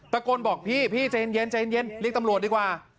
ตะโกนบอกพี่ใจเย็นเรียกตำรวจดีกว่า